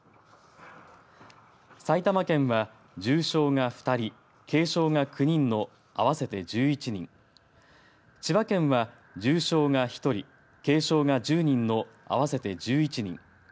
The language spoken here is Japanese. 埼玉県は重傷が２人軽傷が９人の合わせて１１人千葉県は重傷が１人軽傷が１０人の合わせて１１人